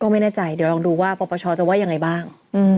ไม่แน่ใจเดี๋ยวลองดูว่าปปชจะว่ายังไงบ้าง